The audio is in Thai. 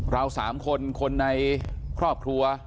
เรา๓คนคนในครอบครัว